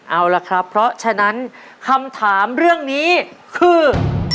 เอาล่ะครับเพราะฉะนั้นคำถามเรื่องนี้คือ